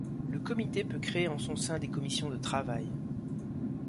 Le comité peut créer en son sein des commissions de travail.